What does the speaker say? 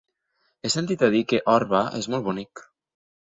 He sentit a dir que Orba és molt bonic.